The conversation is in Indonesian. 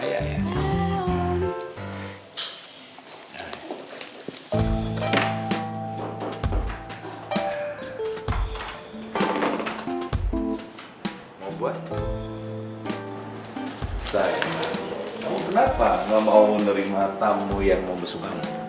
sayang kamu kenapa gak mau menerima tamu yang mau bersukamu